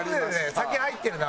酒入ってるな。